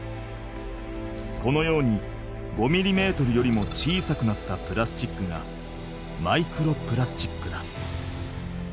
このように５ミリメートルよりも小さくなったプラスチックがマイクロプラスチックだ。